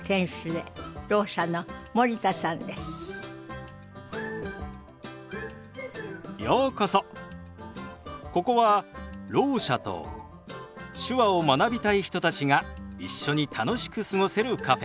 ここはろう者と手話を学びたい人たちが一緒に楽しく過ごせるカフェ。